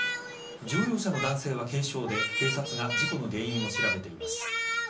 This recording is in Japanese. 乗用車の男性は軽傷で警察が事故の原因を調べています。